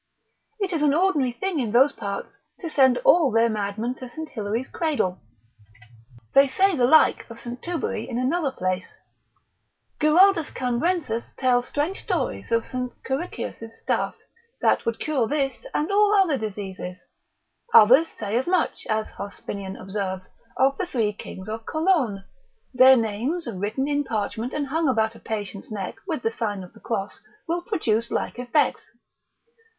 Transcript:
It is an ordinary thing in those parts, to send all their madmen to St. Hilary's cradle. They say the like of St. Tubery in another place. Giraldus Cambrensis Itin. Camb. c. 1. tells strange stories of St. Ciricius' staff, that would cure this and all other diseases. Others say as much (as Hospinian observes) of the three kings of Cologne; their names written in parchment, and hung about a patient's neck, with the sign of the cross, will produce like effects.